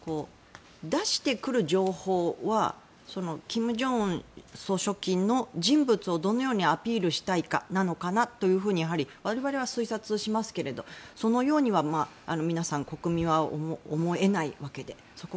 出してくる情報は金正恩総書記の人物をどのようにアピールしたいかなのかなとやはり我々は推察しますけれどそのようには皆さん、国民は思えないわけで。